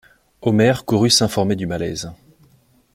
Omer courut s'informer du malaise.